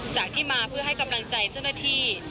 จากที่มาเพื่อให้กำลังใจเจ้าหน้าที่